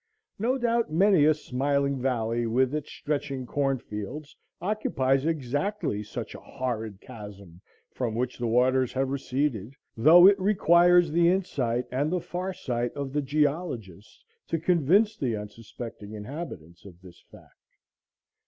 No doubt many a smiling valley with its stretching cornfields occupies exactly such a "horrid chasm," from which the waters have receded, though it requires the insight and the far sight of the geologist to convince the unsuspecting inhabitants of this fact.